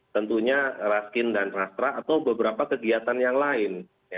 tentunya raskin dan rastra atau beberapa kegiatan yang lain